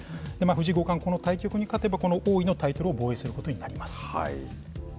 藤井五冠、この対局に勝てば、この王位のタイトルを防衛することになります。